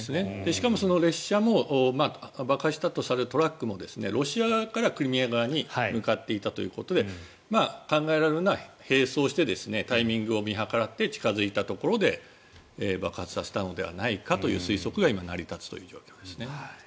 しかもその列車も爆破したとされるトラックもロシア側からクリミアに向かっていたということで考えられるのは並走してタイミングを見計らって近付いたところで爆発させたのではないかという推測が成り立つという状況ですね。